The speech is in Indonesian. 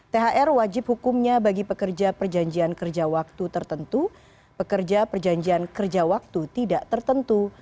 thr wajib hukumnya bagi pekerja perjanjian kerja waktu tertentu pekerja perjanjian kerja waktu tidak tertentu